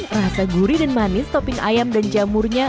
rasa gurih dan manis topping ayam dan jamurnya